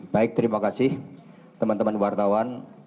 baik terima kasih teman teman wartawan